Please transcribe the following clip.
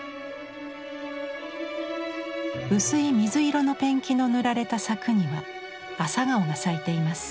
薄い水色のペンキの塗られた柵には朝顔が咲いています。